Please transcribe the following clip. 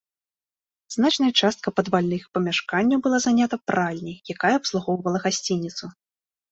Значная частка падвальных памяшканняў была занята пральняй, якая абслугоўвала гасцініцу.